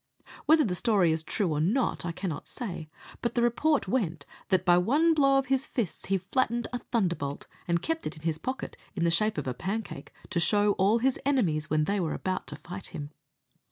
Whether the story is true or not, I cannot say, but the report went that, by one blow of his fists he flattened a thunderbolt, and kept it in his pocket, in the shape of a pancake, to show to all his enemies, when they were about to fight him.